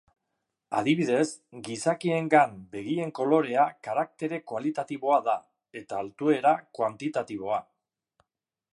Adibidez, gizakiengan begien kolorea karaktere kualitatiboa da, eta altuera kuantitatiboa.